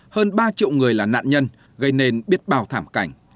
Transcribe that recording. hơn ba triệu người là nạn nhân gây nên biết bào thảm cảnh